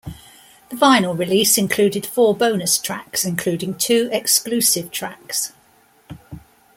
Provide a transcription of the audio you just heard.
The vinyl release included four bonus tracks, including two exclusive tracks.